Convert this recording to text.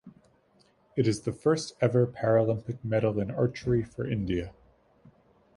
It is the first ever Paralympic medal in archery for India.